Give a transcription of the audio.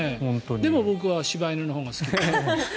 でも僕は柴犬のほうが好き。